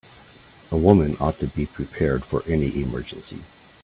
A woman ought to be prepared for any emergency.